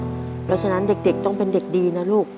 เพราะฉะนั้นเด็กต้องเป็นเด็กดีนะลูก